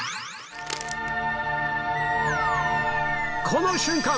この瞬間